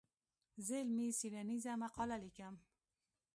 زه علمي څېړنيزه مقاله ليکم.